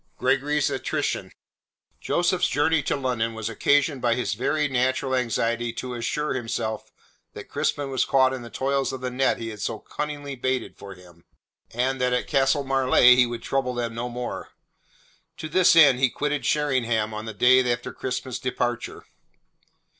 GREGORY'S ATTRITION Joseph's journey to London was occasioned by his very natural anxiety to assure himself that Crispin was caught in the toils of the net he had so cunningly baited for him, and that at Castle Marleigh he would trouble them no more. To this end he quitted Sheringham on the day after Crispin's departure.